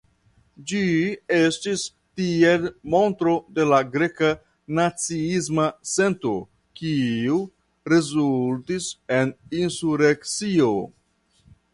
Ĝi estis tiel montro de la greka naciisma sento kiu rezultis en insurekcio.